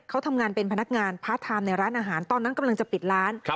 เขาทำงานเป็นพนักงานพาร์ทไทม์ในร้านอาหารตอนนั้นกำลังจะปิดร้าน